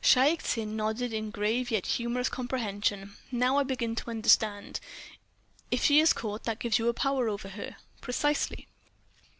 Shaik Tsin nodded in grave yet humorous comprehension. "Now I begin to understand. If she is caught, that gives you a power over her?" "Precisely."